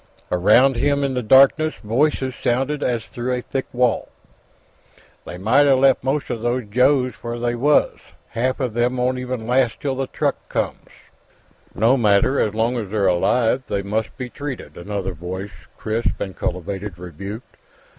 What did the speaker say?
Around him, in the darkness, voices sounded as through a thick wall. "They mighta left mosta these Joes where they was. Half of them won't even last till the truck comes." "No matter; so long as they're alive, they must be treated," another voice, crisp and cultivated, rebuked.